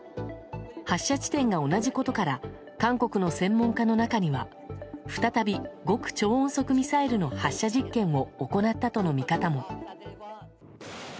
発射地点が同じことから韓国の専門家の中には再び極超音速ミサイルの発射実験を行ったとの見方も。